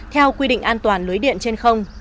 theo quy định an toàn lưới điện trên không